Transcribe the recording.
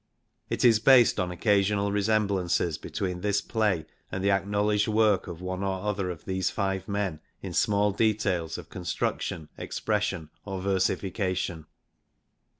It is based on occasional resemblances between this play and the acknowledged work of one or other of these five men in small details of construction, expression, or ver sification.